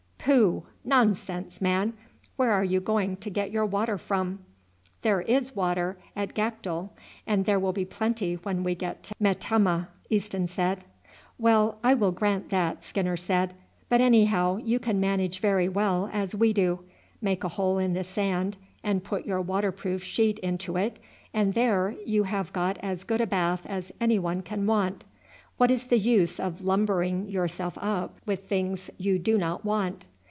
"Pooh! nonsense, man! Where are you going to get your water from?" "There is water at Gakdul, and there will be plenty when we get to Metemmeh," Easton said. "Well, I will grant that," Skinner said; "but anyhow you can manage very well as we do. Make a hole in the sand and put your waterproof sheet into it, and there you have got as good a bath as anyone can want. What is the use of lumbering yourself up with things you do not want?